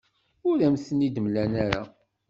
Ur am-ten-id-mlan ara.